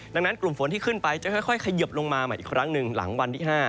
ดังนั้นกลุ่มฝนที่ขึ้นไปจะค่อยเขยิบลงมาใหม่อีกครั้งหนึ่งหลังวันที่๕